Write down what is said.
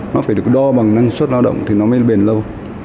nó phải được đo bằng năng suất lao động thì nó mới lên bền lâu